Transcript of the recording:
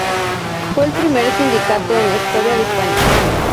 Fue el primer sindicato de la historia de España.